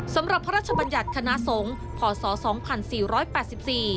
สำหรับพระราชบัญญัติคณะทรงพศ๒๔๘๔